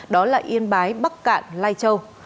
đó là yên bái bắc cạn lai châu